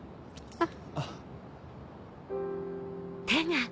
あっ。